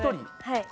はい。